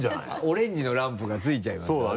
オレンジのランプがついちゃいますよね。